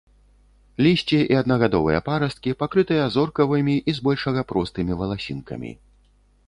Лісце і аднагадовыя парасткі пакрытыя зоркавымі і збольшага простымі валасінкамі.